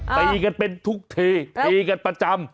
ตีกันเป็นทุกทีตีกันประจำ